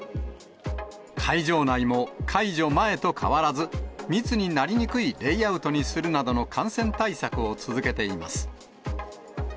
会場内も、解除前と変わらず密になりにくいレイアウトにするなどの感染対策を続けています。